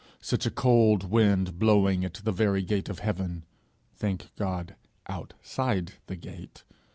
Such a cold wind blowing at the very gate of heaven thank God, outside the gate!